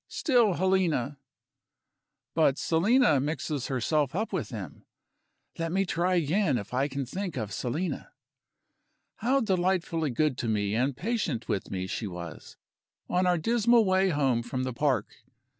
Still Helena! But Selina mixes herself up with them. Let me try again if I can think of Selina. How delightfully good to me and patient with me she was, on our dismal way home from the park!